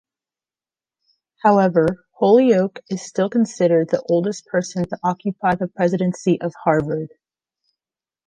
However, Holyoke is still considered the oldest person to occupy the presidency of Harvard.